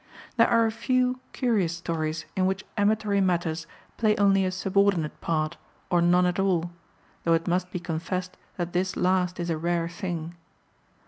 There are a few curious stories in which amatory matters play only a subordinate part or none at all, though it must be confessed that this last is a rare thing.